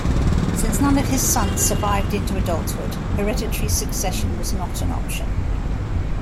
Since none of his sons survived into adulthood, hereditary succession was not an option.